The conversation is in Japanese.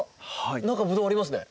中ブドウありますね。